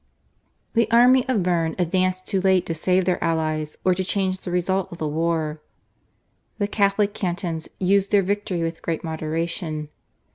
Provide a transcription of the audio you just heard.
The army of Berne advanced too late to save their allies or to change the result of the war. The Catholic cantons used their victory with great moderation.